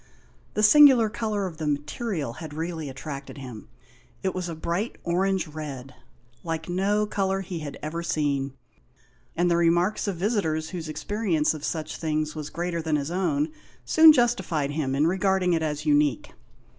The singular colour of the material had really attracted him. It was a bright orange 124 THE INDIAN LAMP SHADE. red, like no colour he had ever seen, and the remarks of visitors whose experience of such things was greater than his own soon justified him in regarding it as unique.